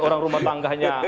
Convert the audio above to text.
orang rumah tangganya